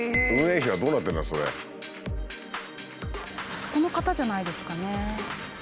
あそこの方じゃないですかね。